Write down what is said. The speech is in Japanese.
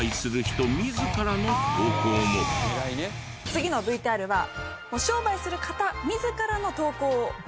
次のＶＴＲは商売する方自らの投稿を。